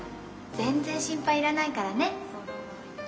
全然心配いらないからね。